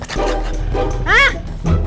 patah patah patah